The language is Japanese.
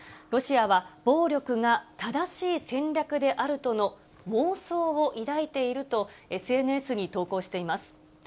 ロシアは、暴力が正しい戦略であるとの妄想を抱いていると、ＳＮＳに投稿しています。